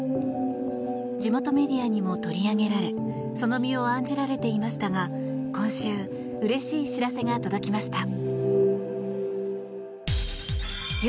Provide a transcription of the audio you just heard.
地元メディアにも取り上げられその身を案じられていましたが今週、うれしい知らせが届きました。